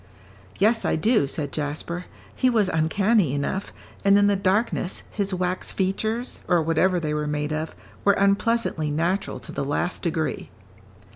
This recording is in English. "Yes, I do," said Jasper; "he was uncanny enough, and in the darkness, his wax features, or whatever they were made of, were unpleasantly natural to the last degree."